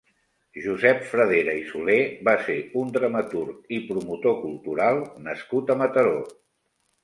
Josep Fradera i Soler va ser un dramaturg i promotor cultural nascut a Mataró.